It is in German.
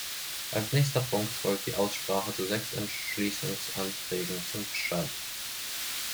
Als nächster Punkt folgt die Aussprache zu sechs Entschließungsanträgen zum Tschad.